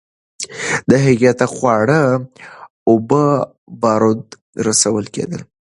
هغې ته خواړه، اوبه او بارود رسول کېدل.